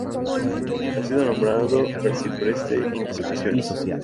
Ha sido nombrado arcipreste en dos ocasiones.